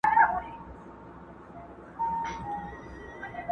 زاړه، په خواړه.